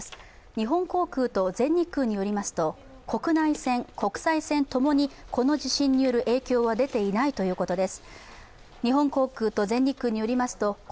日本航空と全日空によりますと、国内線、国際線ともにこの地震による影響は出ていないということです。